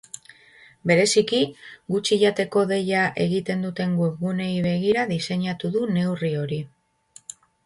Bereziki, gutxi jateko deia egiten duten webguneei begira diseinatu du neurri hori.